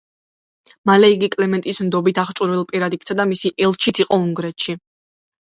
მალე იგი კლემენტეს ნდობით აღჭურვილ პირად იქცა და მისი ელჩიც იყო უნგრეთში.